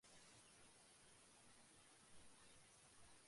兵庫県相生市